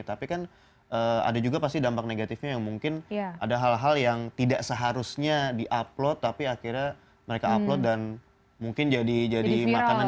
tapi kan ada juga pasti dampak negatifnya yang mungkin ada hal hal yang tidak seharusnya di upload tapi akhirnya mereka upload dan mungkin jadi makanan